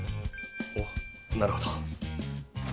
おっなるほど。